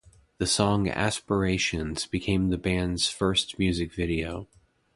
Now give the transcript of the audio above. The song "Aspirations" became the band's first music video.